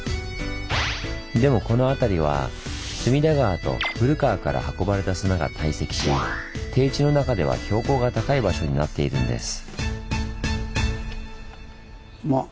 でもこの辺りは隅田川と古川から運ばれた砂が堆積し低地の中では標高が高い場所になっているんです。